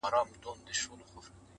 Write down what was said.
او پنجشيريانو بيا له يو بله جلا